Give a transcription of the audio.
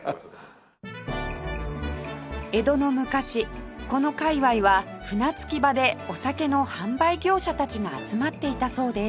江戸の昔この界隈は船着き場でお酒の販売業者たちが集まっていたそうです